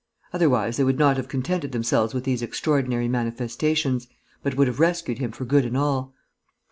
Otherwise they would not have contented themselves with these extraordinary manifestations, but would have rescued him for good and all.